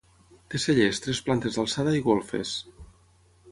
Té cellers, tres plantes d'alçada i golfes.